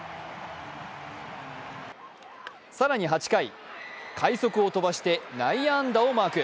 更に８回快足を飛ばして内野安打をマーク